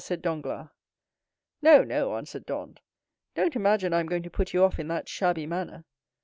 said Danglars. "No, no," answered Dantès; "don't imagine I am going to put you off in that shabby manner.